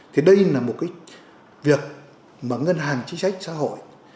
thì đây là một cái việc mà ngân hàng chính sách xã hội